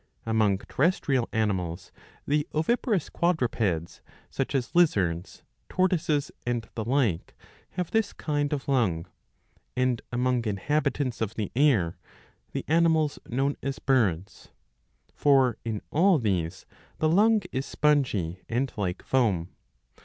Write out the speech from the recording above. Among terrestrial animals, the oviparous quadrupeds, such as lizards, tortoises, and the like, have this kind of lung ; and, among inhabitants of the air, the animals known as birds.'" For in all these the lung is spongy, and like foam.